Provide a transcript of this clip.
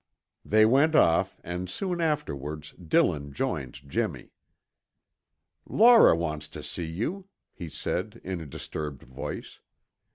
They went off and soon afterwards Dillon joined Jimmy. "Laura wants to see you," he said in a disturbed voice.